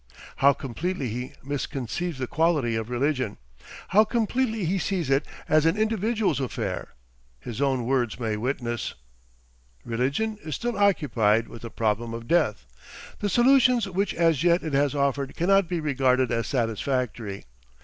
How completely he misconceives the quality of religion, how completely he sees it as an individual's affair, his own words may witness: "Religion is still occupied with the problem of death. The solutions which as yet it has offered cannot be regarded as satisfactory.